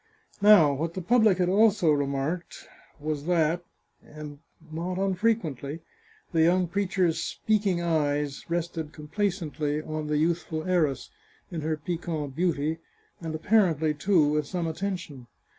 Now, what the public had also remarked, was that, not unfrequently, the young preacher's speaking eyes rested complacently on the youthful heiress, in her piquant beauty, and apparently, too, with some attention.